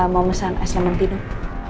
mbak mau mesan ice lemon tea dong